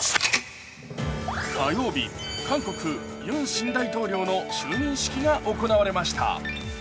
火曜日、韓国・ユン新大統領の就任式が行われました。